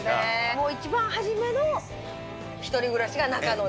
もう一番初めの１人暮らしが中野。